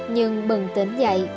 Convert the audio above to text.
nhưng bừng tỉnh dậy